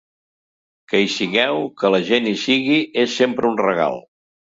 Que hi sigueu, que la gent hi sigui, és sempre un regal.